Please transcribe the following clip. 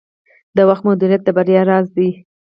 د وخت مدیریت د بریا راز دی.